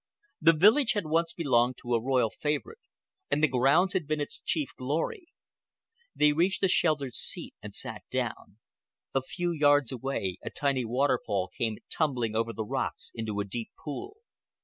The villa had once belonged to a royal favorite, and the grounds had been its chief glory. They reached a sheltered seat and sat down. A few yards away a tiny waterfall came tumbling over the rocks into a deep pool.